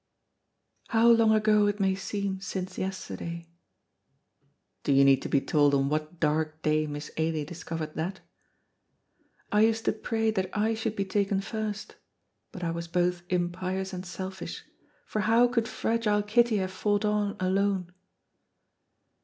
"How long ago it may seem since yesterday!" Do you need to be told on what dark day Miss Ailie discovered that? "I used to pray that I should be taken first, but I was both impious and selfish, for how could fragile Kitty have fought on alone?"